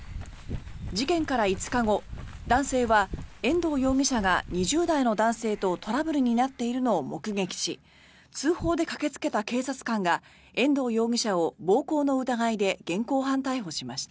事件から５日後、男性は遠藤容疑者が２０代の男性とトラブルになっているのを目撃し通報で駆けつけた警察官が遠藤容疑者を暴行の疑いで現行犯逮捕しました。